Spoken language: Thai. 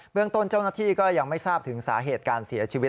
เรื่องต้นเจ้าหน้าที่ก็ยังไม่ทราบถึงสาเหตุการเสียชีวิต